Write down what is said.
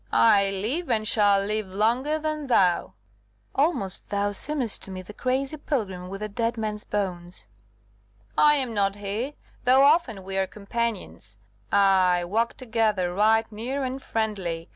"I live, and shall live longer than thou." "Almost thou seemest to me the crazy pilgrim with the dead men's bones." "I am not he, though often we are companions, ay, walk together right near and friendly.